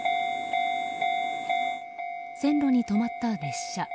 線路に止まった列車。